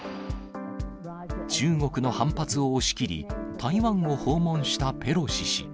中国の反発を押し切り、台湾を訪問したペロシ氏。